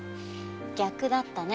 逆だったね。